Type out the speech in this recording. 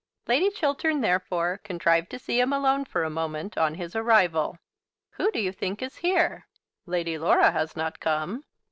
Lady Chiltern therefore contrived to see him alone for a moment on his arrival. "Who do you think is here?" "Lady Laura has not come!"